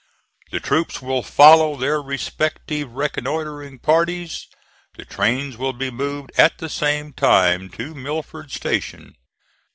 The troops will follow their respective reconnoitring parties. The trains will be moved at the same time to Milford Station.